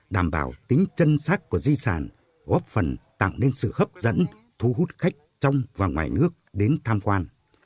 đảm bảo tính chân sát của di sản góp phần tạo nên sự hấp dẫn thu hút khách trong và ngoài nước đến tham quan